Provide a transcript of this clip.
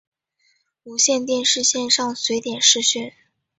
无线电视线上随点视讯